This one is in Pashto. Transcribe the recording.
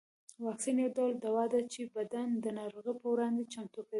واکسین یو ډول دوا ده چې بدن د ناروغیو پر وړاندې چمتو کوي